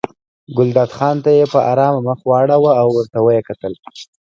ګلداد خان ته یې په ارامه مخ واړاوه او ورته ویې ویل.